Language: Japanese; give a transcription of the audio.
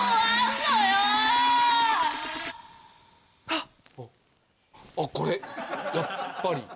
あっこれやっぱり。